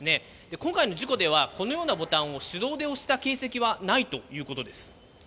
今回の事故では、このようなボタンを手動で押した形跡はないということです。